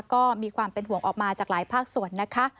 ก็มีความเป็นห่วงออกมาจากหลายภาคส่วนนะคะ